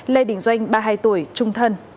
lê đình doanh ba mươi hai tuổi trung thân